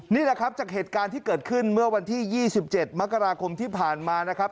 นี่แหละครับจากเหตุการณ์ที่เกิดขึ้นเมื่อวันที่๒๗มกราคมที่ผ่านมานะครับ